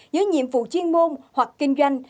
giữa nhiệm vụ chuyên môn hoặc kinh doanh